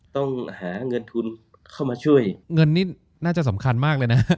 ต้องหาเงินทุนเข้ามาช่วยเงินนี่น่าจะสำคัญมากเลยนะ